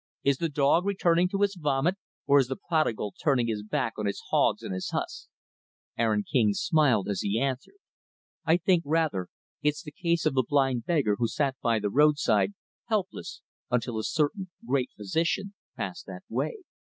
Is the dog returning to his vomit? or is the prodigal turning his back on his hogs and his husks?" Aaron King smiled as he answered, "I think, rather, it's the case of the blind beggar who sat by the roadside, helpless, until a certain Great Physician passed that way."